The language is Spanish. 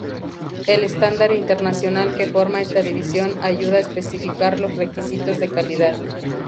El estándar internacional que forma esta división ayuda a especificar los requisitos de calidad.